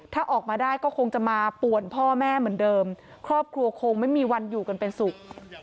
ถ้าออกมาได้ก็คงจะมาป่วนพ่อแม่เหมือนเดิมครอบครัวคงไม่มีวันอยู่กันเป็นสุข